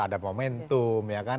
ada momentum ya kan